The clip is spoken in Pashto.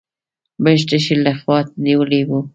موږ تشي له خندا نيولي وو.